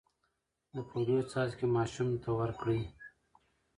د پولیو څاڅکي ماشوم ته ورکړئ.